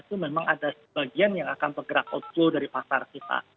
itu memang ada sebagian yang akan bergerak outflow dari pasar kita